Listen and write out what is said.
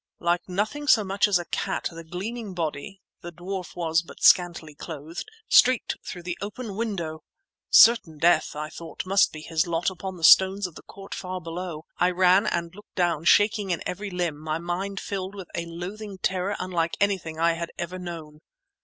Like nothing so much as a cat, the gleaming body (the dwarf was but scantily clothed) streaked through the open window! Certain death, I thought, must be his lot upon the stones of the court far below. I ran and looked down, shaking in every limb, my mind filled with a loathing terror unlike anything I had ever known.